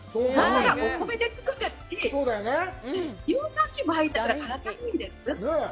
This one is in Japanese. お米で作ってるし乳酸菌も入ってるから体にいいんです